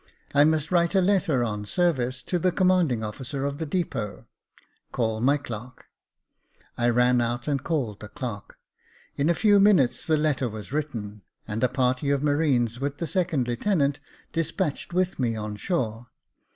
I must write a letter on service to the commandiug officer of the depot. Call my clerk." Jacob Faithful 421 I ran out and called the clerk. In a few minutes the letter was written, and a party of marines, with the second lieutenant, despatched with me on shore.